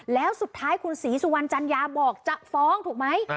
แล้วสุดท้ายคุณศรีสุวรรณจัญญาบอกจะฟ้องถูกไหม